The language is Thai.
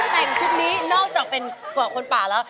แต่งชุดนี้นอกจากเป็นเกาะคนป่าแล้ว